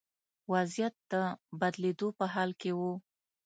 وضعیت د بدلېدو په حال کې و.